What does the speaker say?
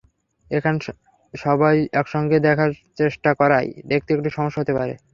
এখন সবাই একসঙ্গে দেখার চেষ্টা করায় দেখতে একটু সমস্যা হতে পারে।